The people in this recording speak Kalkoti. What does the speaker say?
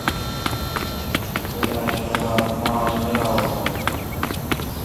مہ آج میلہ وا بون۔